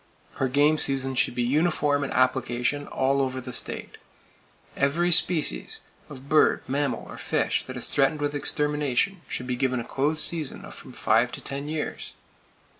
Her game seasons should be uniform in application, all over the state. Every species of bird, mammal or fish that is threatened with extermination should be given a close season of from five to ten years.